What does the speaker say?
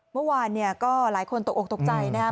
เมื่อวานก็หลายคนตกอกตกใจนะ